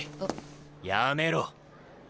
やめろ。